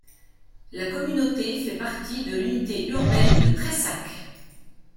La commune fait partie de l'unité urbaine de Prayssac.